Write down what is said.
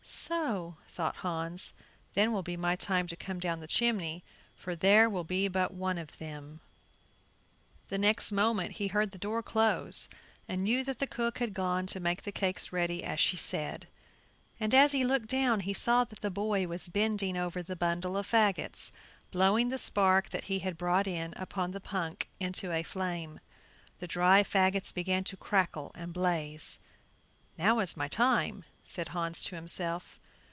"So," thought Hans; "then will be my time to come down the chimney, for there will be but one of them." The next moment he heard the door close and knew that the cook had gone to make the cakes ready as she said. And as he looked down he saw that the boy was bending over the bundle of fagots, blowing the spark that he had brought in upon the punk into a flame. The dry fagots began to crackle and blaze. "Now is my time," said Hans to himself.